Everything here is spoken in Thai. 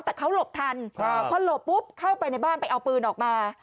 แต่เขาหลบทันพอหลบปุ๊บเข้าไปในบ้านไปเอาปืนออกมา